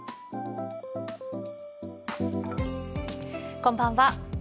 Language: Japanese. こんばんは。